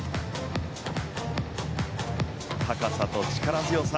高さと力強さ。